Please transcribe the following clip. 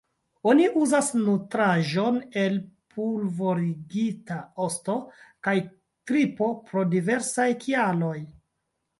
Oni uzas nutraĵon el pulvorigita osto kaj tripo pro diversaj kialoj.